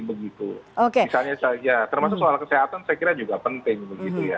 misalnya saja termasuk soal kesehatan saya kira juga penting